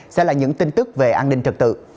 sẽ là những tin tức về an ninh trật tự